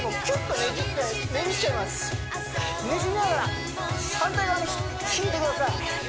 ねじりながら反対側に引いてください